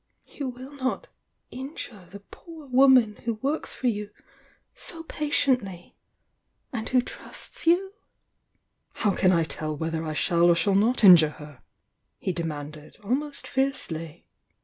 "You will not inji the poor woman who works for you so patiently, and who trusts you?" How can I tell whether I shall or shall not injure her? h( demanded, almost fiercely.